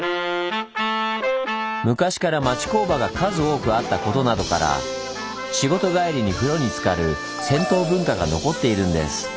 昔から町工場が数多くあったことなどから仕事帰りに風呂につかる銭湯文化が残っているんです。